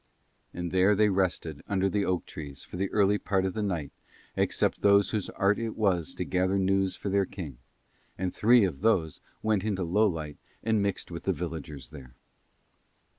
And there they rested under the oak trees for the early part of the night except those whose art it was to gather news for their king; and three of those went into Lowlight and mixed with the villagers there.